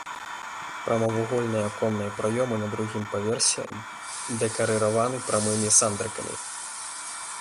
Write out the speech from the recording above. Прамавугольныя аконныя праёмы на другім паверсе дэкарыраваны прамымі сандрыкамі.